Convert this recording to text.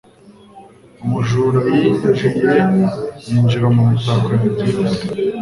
Umujura yinjiye yinjira mu mitako yanjye yose.